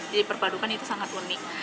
jadi perpaduan itu sangat unik